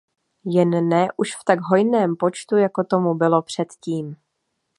Jen ne už v tak hojném počtu jako tomu bylo předtím.